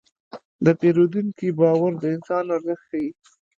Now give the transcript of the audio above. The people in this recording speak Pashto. د پیرودونکي باور د انسان ارزښت ښيي.